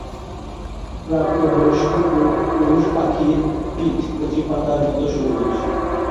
প্রাপ্তবয়স্ক পুরুষ পাখির পিঠ কচি পাতার মত সবুজ।